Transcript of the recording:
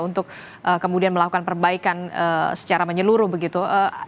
untuk kemudian melakukan perbaikan secara menyeluruh begitu